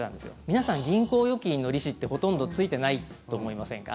皆さん、銀行預金の利子ってほとんどついてないと思いませんか？